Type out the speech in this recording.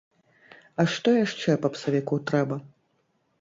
А што яшчэ папсавіку трэба?